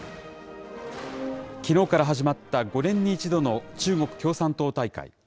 きのうから始まった５年に１度の中国共産党大会。